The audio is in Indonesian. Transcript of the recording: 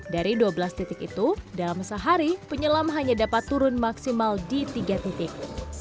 dari dua belas titik itu dalam sehari penyelam hanya dapat turun maksimal di tiga titik